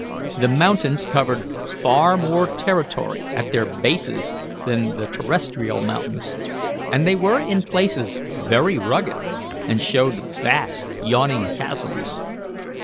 The mountains covered far more territory at their bases than the terrestrial mountains, and they were in places very rugged and showed vast yawning chasms.